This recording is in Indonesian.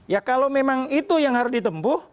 ya kalau memang itu yang harus ditempuh